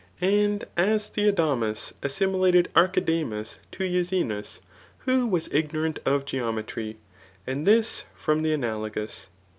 And as Theodamas assimilated Archidamus to Enxenns^ who was ignorant of geometry ; and this from the aaa4 logons.